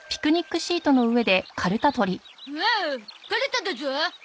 おおかるただゾ！？